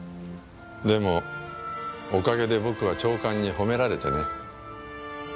でもおかげで僕は長官に褒められてね。